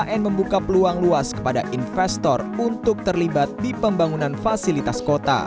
mulai dua ribu dua puluh lima ikn membuka peluang luas kepada investor untuk terlibat di pembangunan fasilitas kota